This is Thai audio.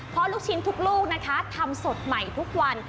เพราะลูกชิ้นทุกลูกนะคะทำสดใหม่ทุกวัน